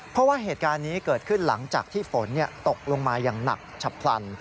เพราะว่าเหตุการณ์นี้เกิดขึ้นหลังจากที่ฝนตกลงมาอย่างหนักฉับพลัน